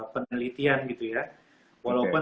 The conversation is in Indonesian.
penelitian gitu ya walaupun